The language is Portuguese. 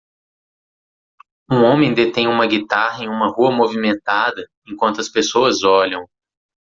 Um homem detém uma guitarra em uma rua movimentada, enquanto as pessoas olham.